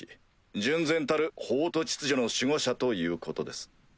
純然たる法と秩序の守護者ということです。